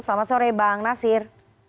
selamat sore bang nasir